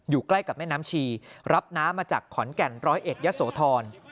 อยู่ใกล้กับแม่น้ำชีรับน้ำมาจากขอนแก่น๑๐๑ยศธร